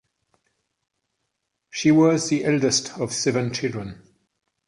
She was the eldest of seven children.